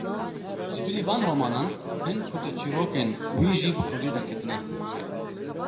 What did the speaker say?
Ji bilî van romanan, hin kurteçîrrokên wî jî bi kurdî derketine.